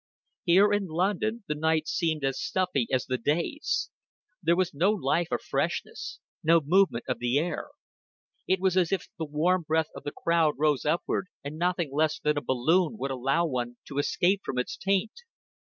Here in London the nights seemed as stuffy as the days; there was no life or freshness, no movement of the air; it was as if the warm breath of the crowd rose upward and nothing less than a balloon would allow one to escape from its taint.